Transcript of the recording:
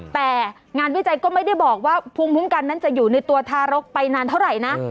แต่งานวิจัยก็ไม่ได้บอกว่าภูมิคุ้มกันนั้นจะอยู่ในตัวทารกไปนานเท่าไหร่นะ